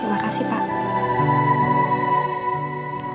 terima kasih pak